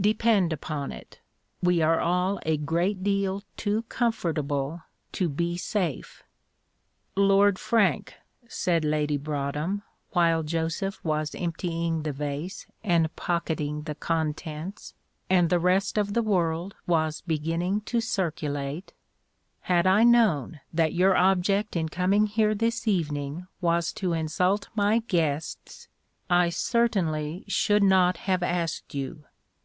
Depend upon it, we are all a great deal too comfortable to be safe. "Lord Frank," said Lady Broadhem while Joseph was emptying the vase and pocketing the contents, and the rest of the world was beginning to circulate, "had I known that your object in coming here this evening was to insult my guests, I certainly should not have asked you."